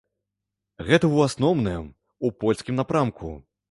Гэта ў асноўным у польскім напрамку.